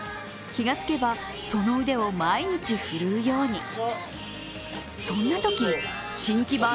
気が付けば、その腕を毎日振るうように。